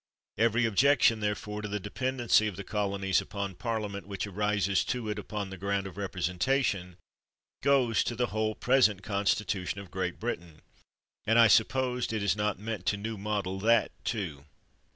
Every objection, therefore, to the dependency of the colonies upon Parliament, which arises to it upon the ground of representation, goes to the whole present constitution of Great Britain ; and I sup pose it is not meant to new model that, too.